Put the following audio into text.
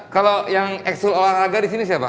kalau yang ekskul olahraga disini siapa